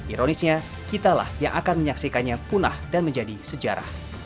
ironisnya kitalah yang akan menyaksikannya punah dan menjadi sejarah